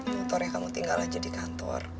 motornya kamu tinggal aja di kantor